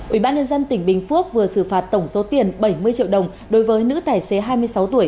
ủy ban nhân dân tỉnh bình phước vừa xử phạt tổng số tiền bảy mươi triệu đồng đối với nữ tài xế hai mươi sáu tuổi